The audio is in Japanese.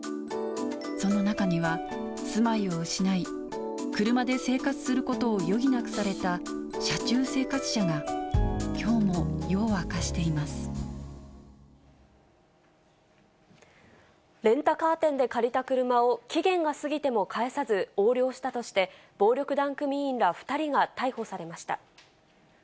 その中には住まいを失い、車で生活することを余儀なくされた車中生活者がきょうも夜を明かレンタカー店で借りた車を、期限が過ぎても返さず横領したとして、暴力団組員ら２人が逮捕されました。